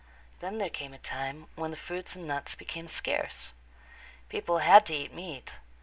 Then there came a time when the fruits and nuts became scarce. People had to eat meat.